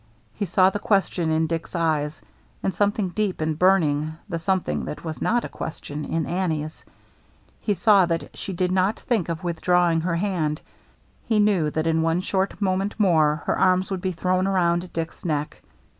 He saw the question in Dick's eyes, — the something deep and burning, the something that was not a question, in Annie's. He saw that she did not think of withdrawing her hand ; he knew that in one sh rt moment more her arms would be thrown pround Dick's neck.